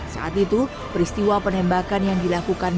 saat itu peristiwa penembakan yang dilakukan